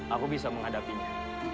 aku bisa menghadapinya